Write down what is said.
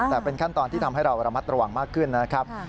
แต่เป็นขั้นตอนที่ทำให้เราระมัดระวังมากขึ้นนะครับ